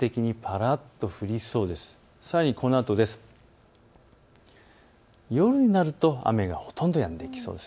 さらにこのあとです。